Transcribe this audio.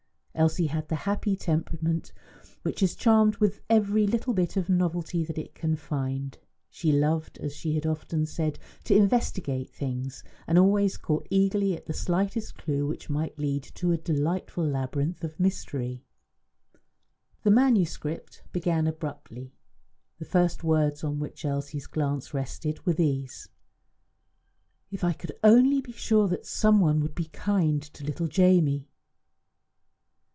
Elsie had the happy temperament which is charmed with every little bit of novelty that it can find. She loved, as she had often said, to investigate things, and always caught eagerly at the slightest clue which might lead to a delightful labyrinth of mystery. The manuscript began abruptly. The first words on which Elsie's glance rested were these: "If I could only be sure that some one would be kind to little Jamie!"